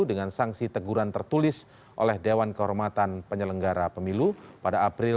dengan sanksi teguran tertulis oleh dewan kehormatan penyelenggara pemilu pada april dua ribu sembilan belas